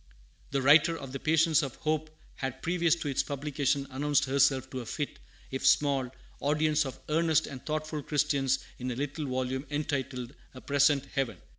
The writer of The Patience of Hope had, previous to its publication, announced herself to a fit, if small, audience of earnest and thoughtful Christians, in a little volume entitled, A Present Heaven.